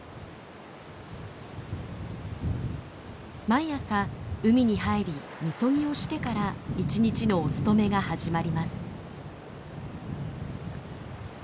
毎朝海に入り禊をしてから１日のお勤めが始まります。